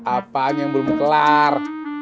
apa yang belum ngelar